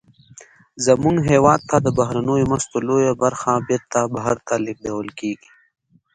زمونږ هېواد ته د بهرنیو مرستو لویه برخه بیرته بهر ته لیږدول کیږي.